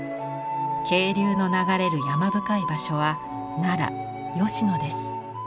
渓流の流れる山深い場所は奈良吉野です。